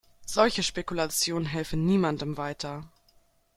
Solche Spekulationen helfen niemandem weiter.